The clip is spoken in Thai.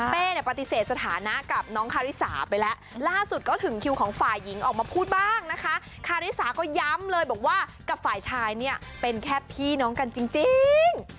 เนี่ยปฏิเสธสถานะกับน้องคาริสาไปแล้วล่าสุดก็ถึงคิวของฝ่ายหญิงออกมาพูดบ้างนะคะคาริสาก็ย้ำเลยบอกว่ากับฝ่ายชายเนี่ยเป็นแค่พี่น้องกันจริง